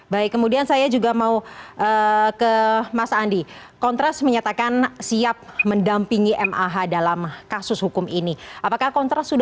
baru kemudian penetapan tersangka itu dilakukan oleh polisi